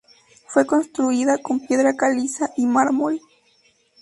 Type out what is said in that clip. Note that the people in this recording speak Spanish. Fue construida con piedra caliza y mármol.